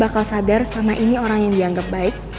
karena selama ini orang yang dianggep baik